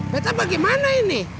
betta bagaimana ini